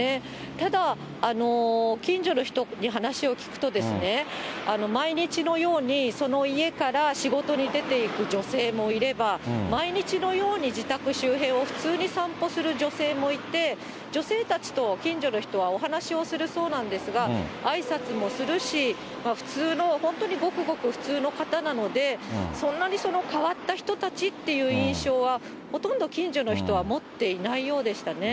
ただ、近所の人に話を聞くと、毎日のように、その家から仕事に出ていく女性もいれば、毎日のように、自宅周辺を普通に散歩する女性もいて、女性たちと近所の人はお話をするそうなんですが、あいさつもするし、普通の、本当にごくごく普通の方なので、そんなに変わった人たちっていう印象は、ほとんど近所の人は持っていないようでしたね。